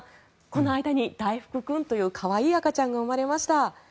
この間に、だいふく君という可愛い赤ちゃんが生まれました。